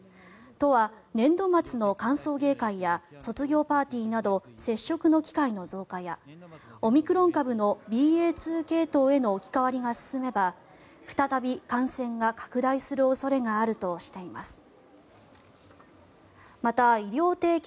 都は年度末の歓送迎会や卒業パーティーなど接触の機会の増加やオミクロン株のＢＡ．２系統への置き換わりが進めば再び感染が拡大する恐れがあるとしています。